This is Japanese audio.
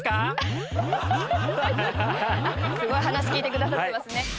すごい話聞いてくださってますね。